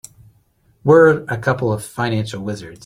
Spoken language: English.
We're a couple of financial wizards.